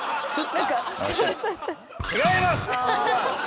違います！